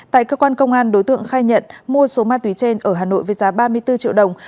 tại cơ quan công an đối tượng khai nhận mua số ma túy trên ở hà nội với giá ba mươi bốn triệu đồng